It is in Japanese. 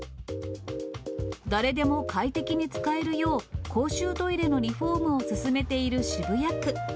誰でも快適に使えるよう、公衆トイレのリフォームを進めている渋谷区。